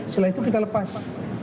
setelah itu kita lepas